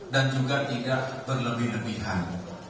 dan juga tidak berlebih lebihan